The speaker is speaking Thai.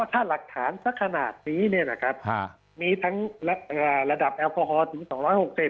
ถ้าหลักฐานสักขนาดนี้เนี่ยนะครับมีทั้งระดับแอลกอฮอลถึง๒๖๐